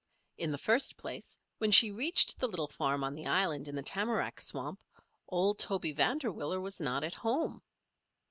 In the first place, when she reached the little farm on the island in the tamarack swamp, old Toby Vanderwiller was not at home.